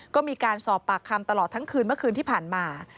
ก็มีการสอบปากคำตลอดทั้งคืนเมื่อคืนที่ผ่านมา